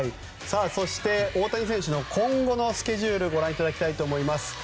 そして大谷選手の今後のスケジュールをご覧いただきたいと思います。